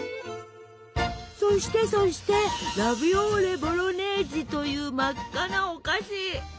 そしてそしてラヴィオーレ・ボロネージという真っ赤なお菓子！